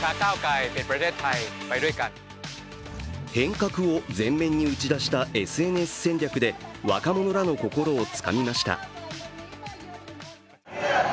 変革を前面に打ち出したＳＮＳ戦略で若者らの心をつかみました。